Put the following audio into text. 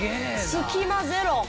隙間ゼロ。